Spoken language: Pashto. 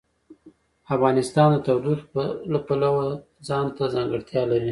افغانستان د تودوخه د پلوه ځانته ځانګړتیا لري.